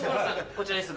こちらです